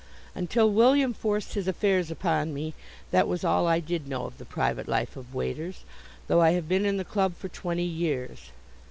Until William forced his affairs upon me, that was all I did know of the private life of waiters, though I have been in the club for twenty years.